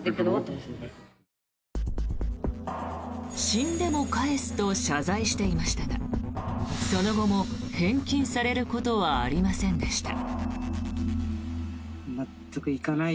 死んでも返すと謝罪していましたがその後も返金されることはありませんでした。